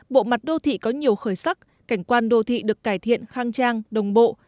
bộ mặt đô thị có nhiều khởi sắc cảnh quan đô thị được cải thiện khang trang đồng bộ